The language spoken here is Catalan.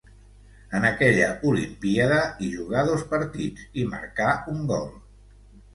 En aquella Olimpíada, hi jugà dos partits, i marcà un gol.